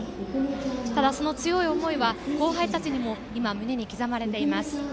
ただその強い思いは後輩たちにも今、胸に刻まれています。